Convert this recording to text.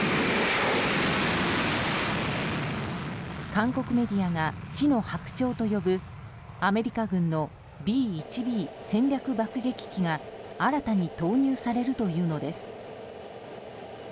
韓国メディアが死の白鳥と呼ぶアメリカ軍のＢ１Ｂ戦略爆撃機が新たに投入されるというのです。